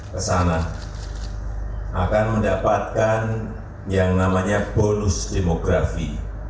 kesana akan mendapatkan yang namanya bonus demografi